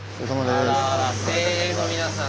あらあら精鋭の皆さん。